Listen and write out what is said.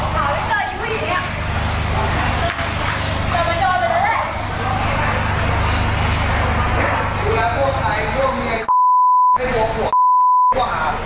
เดินไปโดนไปเร็วเร็ว